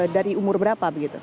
dari umur berapa begitu